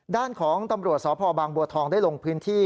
ด้านของตำรวจสพบางบัวทองได้ลงพื้นที่